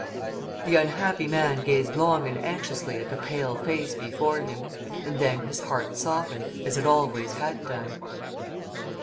The unhappy man gazed long and anxiously at the pale face before him, and then his heart softened, as it always had done.